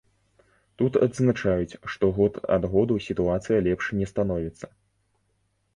Тут адзначаюць, што год ад году сітуацыя лепш не становіцца.